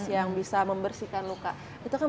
yang bisa membersihkan luka itu kan